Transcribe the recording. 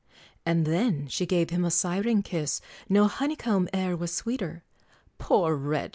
And then she gave him a siren kiss, No honeycomb e'er was sweeter; Poor wretch!